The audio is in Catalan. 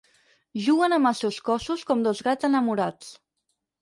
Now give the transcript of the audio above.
Juguen amb els seus cossos com dos gats enamorats.